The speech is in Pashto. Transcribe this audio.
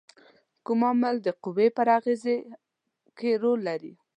کوم عامل د قوې پر اغیزې کې رول لري؟